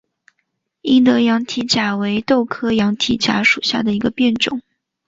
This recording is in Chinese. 英德羊蹄甲为豆科羊蹄甲属下的一个变种。